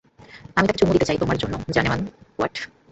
আমি তাকে চুমু দিতে চাই, তোমার জন্য, জানেমান।